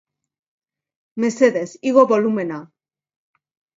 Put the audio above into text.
Mesedez igo bolumena